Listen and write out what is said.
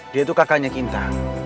dia tuh kakaknya kinta